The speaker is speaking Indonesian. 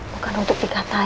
bukan untuk dikatakan